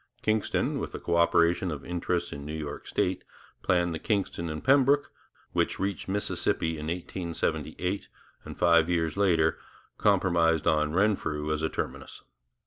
Kingston, with the co operation of interests in New York state, planned the Kingston and Pembroke, which reached Mississippi in 1878, and five years later compromised on Renfrew as a terminus.